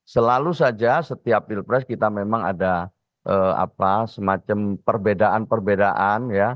selalu saja setiap pilpres kita memang ada semacam perbedaan perbedaan ya